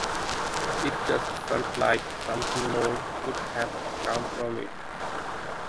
It just felt like something more could have come from it.